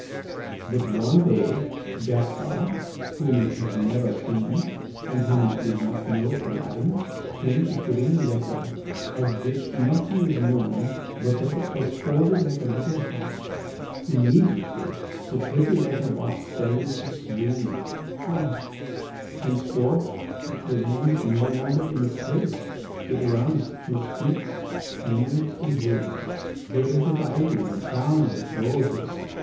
"But one day, Gaspar, whom it had never seen, and whom it did not know from Adam, came to put in a letter, of which nothing is known but that it was folded like a little hat. Immediately the pretty letter box fell into a swoon. Henceforth it remains no longer in its place; it runs through streets, fields, and woods, girdled with ivy, and crowned with roses.